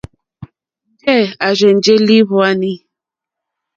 Njɛ̂ à rzênjé ìlìhwòànì.